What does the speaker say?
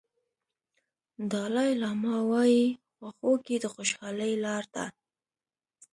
دالای لاما وایي خواخوږي د خوشالۍ لار ده.